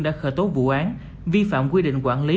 đã khởi tố vụ án vi phạm quy định quản lý